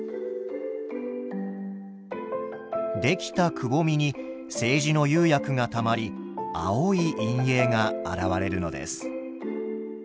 出来たくぼみに青磁の釉薬がたまり青い陰影が現れるのです。